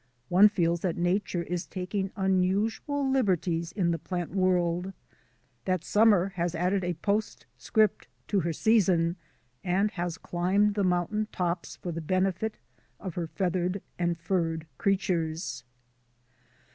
One feels that Nature is taking unusual liberties in the plant world; that summer has added a postscript to her season and has climbed the mountain tops for the benefit of her feathered and furred creatures.